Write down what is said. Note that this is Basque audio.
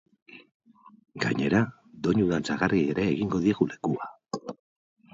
Gainera, doinu dantzagarriei ere egingo diegu lekua.